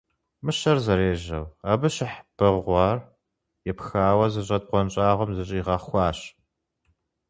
Мыщэр зэрежьэу, абы щыхь бэгъуар епхауэ зыщӀэт бгъуэнщӀагъым зыщӀигъэхуащ.